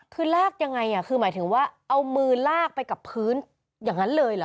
คือลากยังไงคือหมายถึงว่าเอามือลากไปกับพื้นอย่างนั้นเลยเหรอ